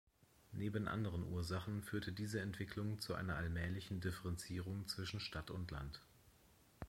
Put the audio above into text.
Neben anderen Ursachen führte diese Entwicklung zu einer allmählichen Differenzierung zwischen Stadt und Land.